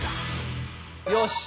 よし。